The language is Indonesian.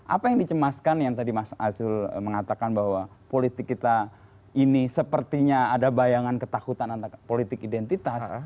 apa yang dicemaskan yang tadi mas azul mengatakan bahwa politik kita ini sepertinya ada bayangan ketakutan antara politik identitas